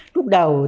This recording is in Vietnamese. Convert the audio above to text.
lúc đầu tôi